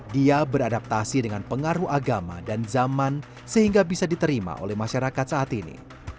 dia beradaptasi dengan pengaruh agama dan zaman sehingga bisa diterima oleh masyarakat saat ini